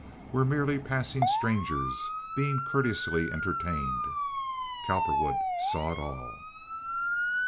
We're merely passing strangers, being courteously entertained." Cowperwood saw it all.